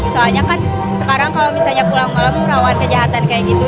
soalnya kan sekarang kalau misalnya pulang malam rawan kejahatan kayak gitu